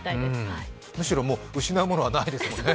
むしろ失うものはないですもんね。